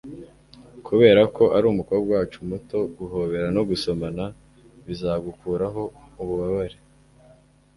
kuberako uri umukobwa wacu muto, guhobera no gusomana bizagukuraho ububabare